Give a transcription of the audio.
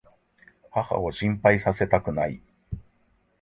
母を心配させたくない。